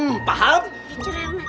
iya paham aja dah